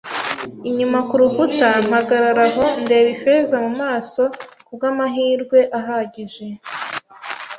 inyuma kurukuta, mpagarara aho, ndeba Ifeza mumaso, kubwamahirwe ahagije,